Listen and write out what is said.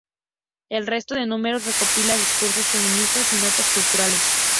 El resto de números recopila discursos feministas y notas culturales.